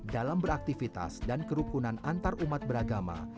dalam beraktivitas dan kerukunan antarumat beragama